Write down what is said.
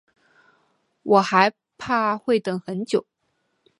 我还怕会等很久